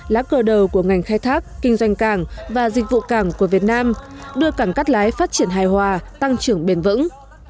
lá cờ đầu của ngành khai thác kinh doanh cảng và dịch vụ cảng của việt nam đưa cảng cát lái phát triển hài hòa tăng trưởng bền vững